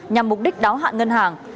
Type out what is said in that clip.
nhằm mục đích đáo hạn ngân hàng